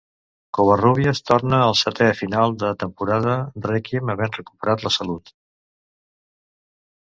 Covarrubias torna al setè final de temporada "Rèquiem", havent recuperat la salut.